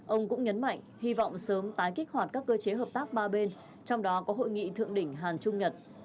ông cũng nhấn mạnh hy vọng sớm tái kích hoạt các cơ chế hợp tác ba bên trong đó có hội nghị thượng đỉnh hàn trung nhật